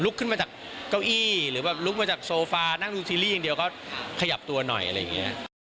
ขึ้นมาจากเก้าอี้หรือแบบลุกมาจากโซฟานั่งดูซีรีส์อย่างเดียวก็ขยับตัวหน่อยอะไรอย่างนี้